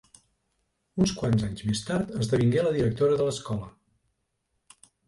Uns quants anys més tard esdevingué la directora de l'escola.